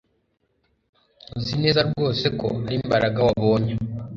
Uzi neza rwose ko ari Mbaraga wabonye